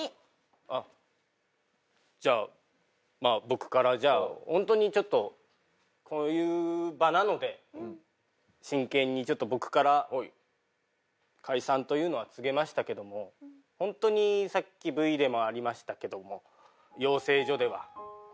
僕から本当にちょっとこういう場なので真剣にちょっと僕から解散というのは告げましたけども本当にさっきＶでもありましたけども養成所では本当に成績が悪くてですね